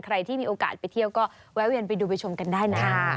ใครที่มีโอกาสไปเที่ยวก็แวะเวียนไปดูไปชมกันได้นะ